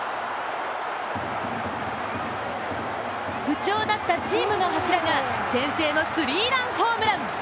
不調だったチームの柱が先制のスリーランホームラン！